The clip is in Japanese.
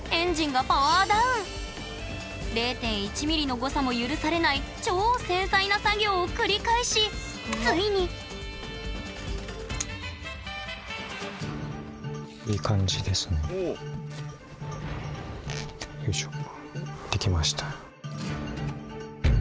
０．１ｍｍの誤差も許されない超繊細な作業を繰り返しついによいしょ。